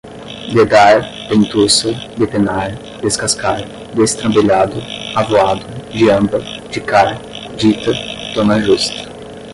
dedar, dentuça, depenar, descascar, destrambelhado, avoado, diamba, dicar, dita, dona justa